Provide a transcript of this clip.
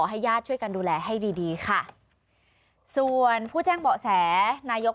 ให้ญาติช่วยกันดูแลให้ดีดีค่ะส่วนผู้แจ้งเบาะแสนายก